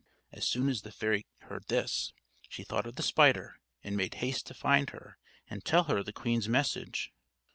As soon as the fairy heard this, she thought of the spider, and made haste to find her and tell her the queen's message.